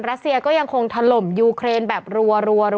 รัสเซียก็ยังคงถล่มยูเครนแบบรัว